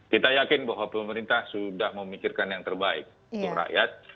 kita yakin bahwa pemerintah sudah memikirkan yang terbaik untuk rakyat